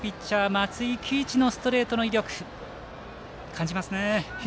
松井喜一のストレートの威力感じますね。